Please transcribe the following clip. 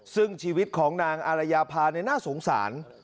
ซึ่งชีวิตของนางอารยาภาน่าสงสาร